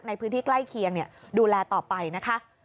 ในพื้นที่ใกล้เคียงดูแลต่อไปนะคะ